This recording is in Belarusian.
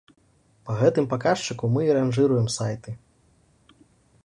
Па гэтым паказчыку мы і ранжыруем сайты.